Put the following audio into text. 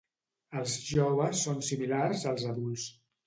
Els joves són similars als adults.